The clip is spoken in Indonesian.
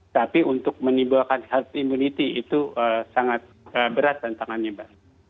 tapi untuk menimbulkan health immunity itu sangat berat tantangannya